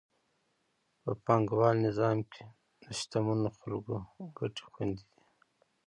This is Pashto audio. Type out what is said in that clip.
په پانګوال نظام کې د شتمنو خلکو ګټې خوندي دي.